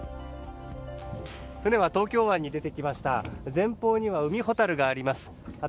船は東京湾に出てきました。